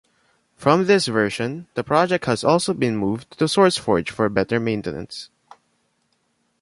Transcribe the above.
From this version, the project has also been moved to SourceForge for better maintenance.